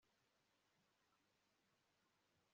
Byasaga nkaho biza ballon hejuru